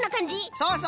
そうそう！